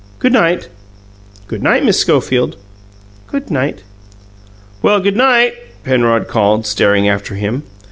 Good night. Good night, Miss Schofield." "Good night." "Well, good night," Penrod called, staring after him.